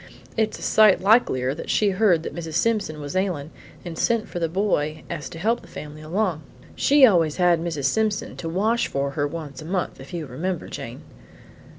It's a sight likelier that she heard that Mrs. Simpson was ailin' and sent for the boy so as to help the family along. She always had Mrs. Simpson to wash for her once a month, if you remember Jane?"